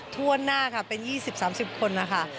ทั่วหน้าค่ะเป็น๒๐๓๐คนนะคะ